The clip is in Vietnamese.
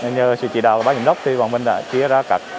nhờ sự chỉ đạo của bác giám đốc thì bọn mình đã chia ra cạc